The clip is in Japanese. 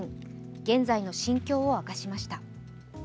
現在の心境を明かしました。